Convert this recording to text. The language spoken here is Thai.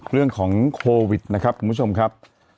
เรื่องของโควิดนะครับคุณผู้ชมครับ